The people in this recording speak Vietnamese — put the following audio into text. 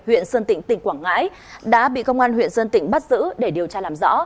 huyện sơn tịnh tỉnh quảng ngãi đã bị công an huyện sơn tịnh bắt giữ để điều tra làm rõ